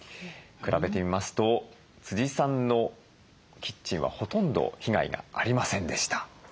比べてみますとさんのキッチンはほとんど被害がありませんでした。